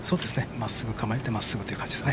まっすぐ構えてまっすぐという感じです。